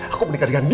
aku menikah dengan dia